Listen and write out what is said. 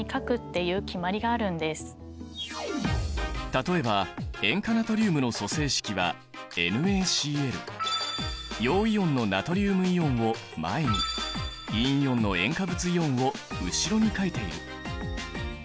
例えば塩化ナトリウムの組成式は陽イオンのナトリウムイオンを前に陰イオンの塩化物イオンを後ろに書いている。